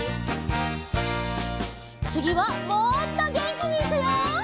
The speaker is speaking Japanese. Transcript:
つぎはもっとげんきにいくよ！